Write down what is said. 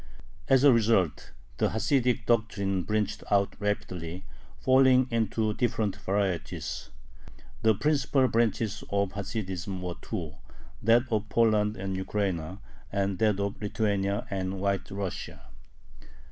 As a result, the Hasidic doctrine branched out rapidly, falling into different varieties. The principal branches of Hasidism were two: that of Poland and Ukraina, and that of Lithuania and White Russia.